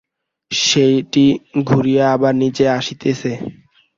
সেটি ঘুরিয়া আবার নীচে আসিতেছে।